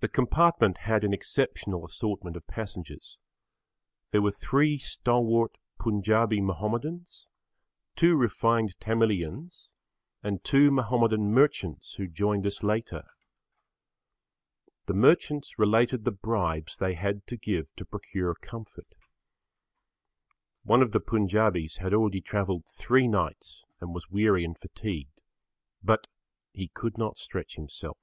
The compartment had an exceptional assortment of passengers. There were three stalwart Punjabi Mahomedans, two refined Tamilians and two Mahomedan merchants who joined us later. The merchants related the bribes they had to give to procure comfort. One of the Punjabis had already travelled three nights and was weary and fatigued. But he could not stretch himself.